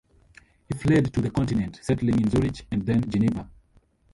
He fled to the Continent, settling in Zurich and then Geneva.